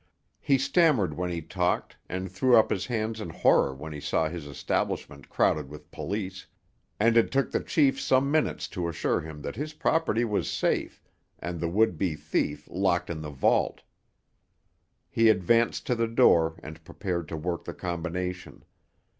He stammered when he talked, and threw up his hands in horror when he saw his establishment crowded with police, and it took the chief some minutes to assure him that his property was safe and the would be thief locked in the vault. He advanced to the door and prepared to work the combination.